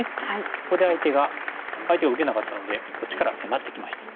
そこで相手が相手が受けなかったのでこっちから迫ってきました。